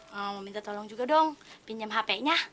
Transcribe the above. mau minta tolong juga dong pinjam hp nya